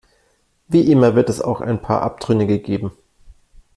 Wie immer wird es auch ein paar Abtrünnige geben.